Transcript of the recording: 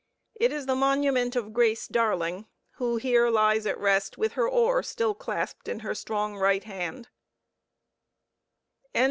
It is the monument of Grace Darling, who here lies at rest with her oar still clasped in her strong right hand.